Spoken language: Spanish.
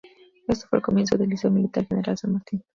Esto fue el comienzo del Liceo Militar General San Martín.